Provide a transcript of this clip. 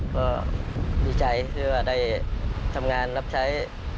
ก็ดีใจเพราะได้ทำงานรับใช้